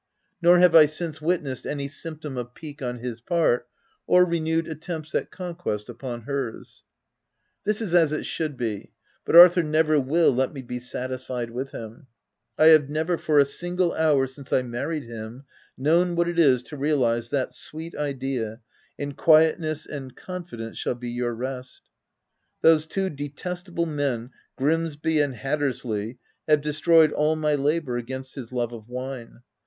Nor have I since wit nessed any symptom of pique on his part, or renewed attempts at conquest upon hers. This is as it should be ; but Arthur never will let me be satisfied with him. I have never, for a single hour since I married him, known what it is to realize that sweet idea, " In quietness and confidence shall be your rest/' Those two detestable men Grimsby and Hat tersley have destroyed all my labour against his love of wine.